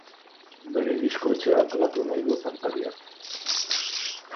Bere diskoetxea antolatu nahi du kantariak.